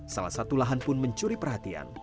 salah satu lahan pun mencuri perhatian